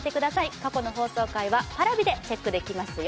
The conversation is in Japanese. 過去の放送回はＰａｒａｖｉでチェックできますよ